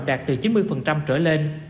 đạt từ chín mươi trở lên